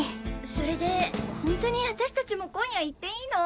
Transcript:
それでホントに私達も今夜行っていいの？